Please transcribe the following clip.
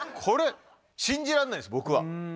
これ信じらんないです僕は。